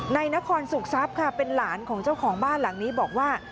ในนครสุขทรัพย์ค่ะเป็นหลานของเจ้าของบ้านหลังนี้บอกว่า